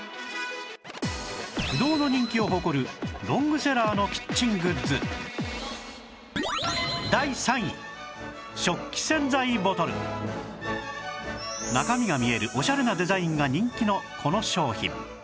不動の人気を誇るロングセラーのキッチングッズ中身が見えるオシャレなデザインが人気のこの商品